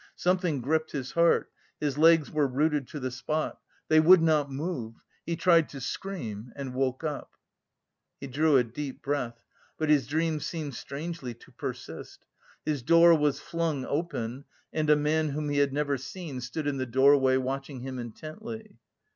Something gripped his heart, his legs were rooted to the spot, they would not move.... He tried to scream and woke up. He drew a deep breath but his dream seemed strangely to persist: his door was flung open and a man whom he had never seen stood in the doorway watching him intently.